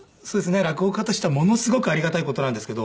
落語家としてはものすごくありがたい事なんですけど。